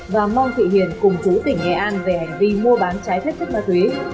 và mon thị hiền cùng chú tỉnh nghệ an về hành vi mua bán trái thất thất ma túy